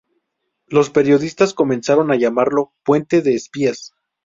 Los periodistas comenzaron a llamarlo "puente de Espías.